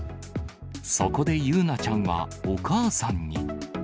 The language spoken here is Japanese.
そこで友裕奈ちゃんは、お母さんに。